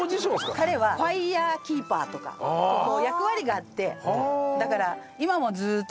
彼はファイアキーパーとかこう役割があってだから。